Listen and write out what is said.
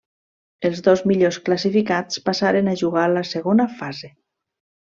Els dos millors classificats passaren a jugar la segona fase.